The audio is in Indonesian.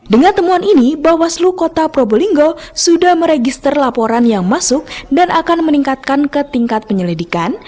dengan temuan ini bawah slu kota pro bolinggo sudah meregister laporan yang masuk dan akan meningkatkan ke tingkat penyelidikan